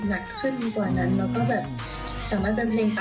เหมือนว่าถ้าเชิญเลิฟจะสดใจใช่ไหมคะ